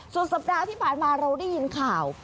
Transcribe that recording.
สุดสัปดาห์ที่ผ่านมาเราได้ยินข่าว